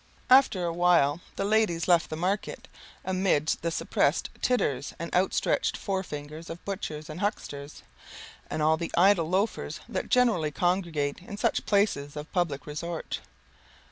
After a while the ladies left the market, amidst the suppressed titters and outstretched fore fingers of butchers and hucksters, and all the idle loafers the generally congregate in such places of public resort.